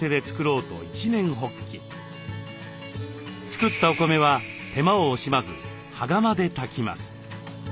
作ったお米は手間を惜しまず羽釜で炊きます。